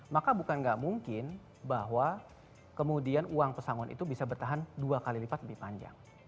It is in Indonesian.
maka bukan nggak mungkin bahwa kemudian uang pesangon itu bisa bertahan dua kali lipat lebih panjang